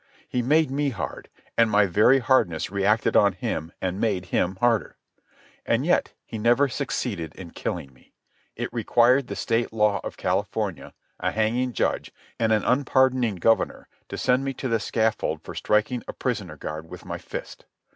He made me hard, and my very hardness reacted on him and made him harder. And yet he never succeeded in killing me. It required the state law of California, a hanging judge, and an unpardoning governor to send me to the scaffold for striking a prison guard with my fist.